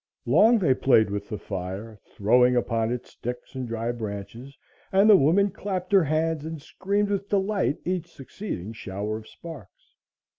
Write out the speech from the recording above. Long they played with the fire, throwing upon it sticks and dry branches, and the woman clapped her hands and screamed with delight at each succeeding shower of sparks.